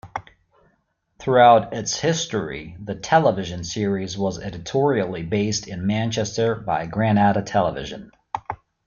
Throughout its history, the television series was editorially based in Manchester by Granada Television.